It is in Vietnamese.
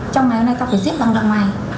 trong ngày hôm nay tao phải giết bằng đồng mày